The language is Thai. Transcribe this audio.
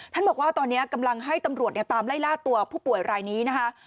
บอกว่าตอนนี้กำลังให้ตำรวจตามไล่ล่าตัวผู้ป่วยรายนี้นะคะ